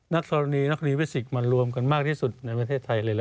ธรณีนักรีวิสิกส์มารวมกันมากที่สุดในประเทศไทยเลยล่ะ